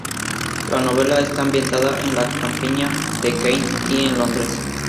La novela está ambientada en la campiña de Kent y en Londres.